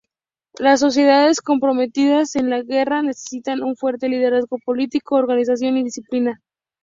Las sociedades comprometidas en la guerra necesitan un fuerte liderazgo político, organización y disciplina.